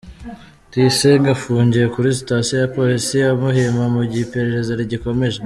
Tuyisenge afungiye kuri sitasiyo ya polisi ya Muhima mu gihe iperereza rigikomeje.